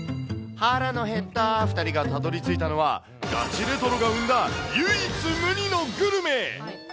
腹の減った２人がたどりついたのは、ガチレトロが生んだ唯一無二のグルメ。